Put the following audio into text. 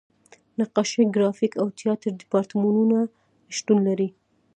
نقاشۍ، ګرافیک او تیاتر دیپارتمنټونه شتون لري.